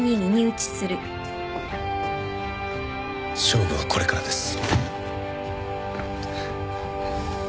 勝負はこれからです。